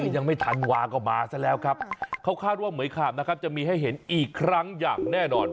ยังไม่ทันวาก็มาซะแล้วครับเขาคาดว่าเหมือยขาบนะครับจะมีให้เห็นอีกครั้งอย่างแน่นอน